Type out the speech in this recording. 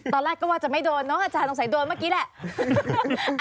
ตอนแรกก็ว่าจะไม่โดนเนาะอาจารย์สงสัยโดนเมื่อกี้แหละ